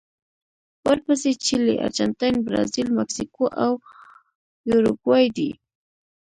ورپسې چیلي، ارجنټاین، برازیل، مکسیکو او یوروګوای دي.